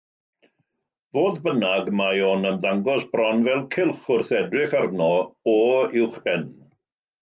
Fodd bynnag, mae o'n ymddangos bron fel cylch wrth edrych arno o uwchben.